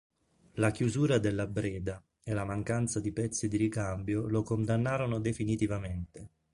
La chiusura della Breda e la mancanza di pezzi di ricambio lo condannarono definitivamente.